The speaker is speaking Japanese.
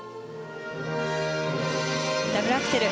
ダブルアクセル。